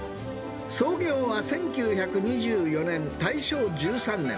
創業は１９２４年・大正１３年。